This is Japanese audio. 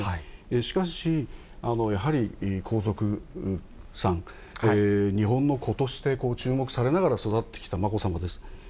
しかし、やはり、皇族さん、日本の子として注目されながら育ってきたまこさまです。